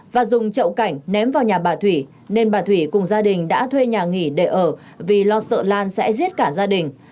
và dùng chậu cảnh ném vào nhà bà thủy nên bà thủy cùng gia đình đã thuê nhà nghỉ để ở vì lo sợ lan sẽ giết cả gia đình